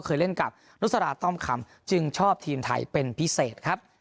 เคยเล่นกับนุษราต้อมคำจึงชอบทีมไทยเป็นพิเศษครับ